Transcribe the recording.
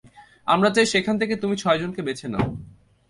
আমরা চাই সেখান থেকে তুমি ছয়জনকে বেছে নাও।